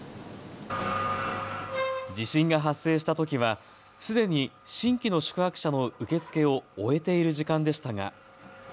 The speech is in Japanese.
地震が発生したときはすでに新規の宿泊者の受け付けを終えている時間でしたが。